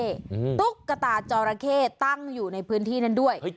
ตุ๊กตาจอราเข้ตั้งอยู่ในพื้นที่นั้นด้วย